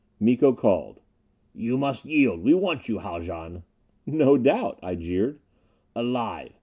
Miko called, "You must yield. We want you, Haljan." "No doubt," I jeered. "Alive.